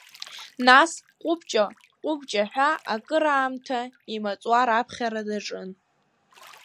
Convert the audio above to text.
Нас, Ҟәы-бҷаа, Ҟәы-бҷаа ҳәа, акыр аамҭа имаҵуар аԥхьара даҿын.